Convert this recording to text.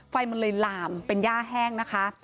ไฟมันเลยหลามเป็นย่าแห้งนะคะ